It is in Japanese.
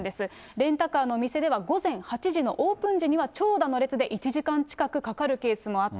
レンタカーのお店では、午前８時のオープン時には長蛇の列で１時間近くかかるケースもあった。